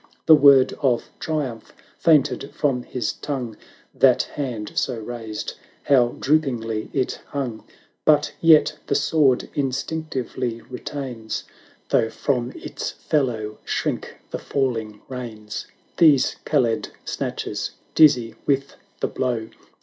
The word of triumph fainted from his tongue; That hand, so raised, how droopingly it hung! 1030 But yet the sword instinctively retains, Though from its fellow shrink the fall ing reins; These Kaled snatches: dizzy with the blow.